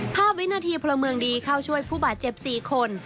วินาทีพลเมืองดีเข้าช่วยผู้บาดเจ็บ๔คน